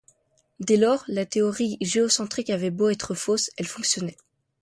Dès lors, la théorie géocentrique avait beau être fausse, elle fonctionnait.